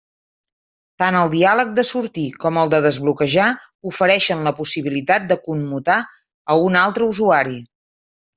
Tant el diàleg de sortir com el de desbloquejar ofereixen la possibilitat de commutar a un altre usuari.